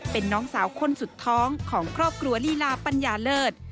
เป็นน้องสาวคนสุดท้องของครอบครัวลีลาปัญญาเลิศ